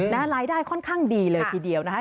รายได้ค่อนข้างดีเลยทีเดียวนะคะ